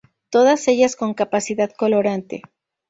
Todas ellas con capacidad colorante.